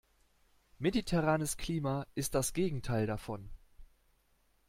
Mediterranes Klima ist das Gegenteil davon.